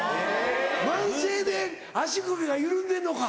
慢性で足首が緩んでるのか。